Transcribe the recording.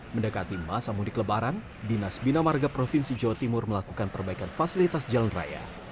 mendekati masa mudik lebaran dinas bina marga provinsi jawa timur melakukan perbaikan fasilitas jalan raya